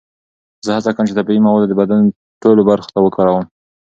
زه هڅه کوم چې طبیعي مواد د بدن ټولو برخو ته وکاروم.